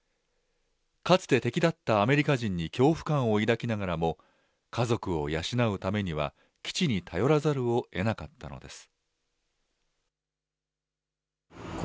かつて敵だったアメリカ人に恐怖感を抱きながらも、家族を養うためには基地に頼らざるをえなかったのです。